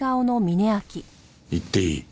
行っていい。